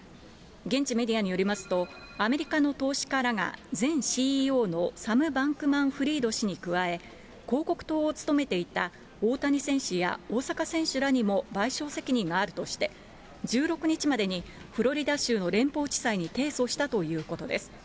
現地メディアによりますと、アメリカの投資家らが、前ＣＥＯのサム・バンクマン・ふりーどしに加え、広告塔を務めていた大谷選手や大坂選手らにも賠償責任があるとして、１６日までにフロリダ州の連邦地裁に提訴したということです。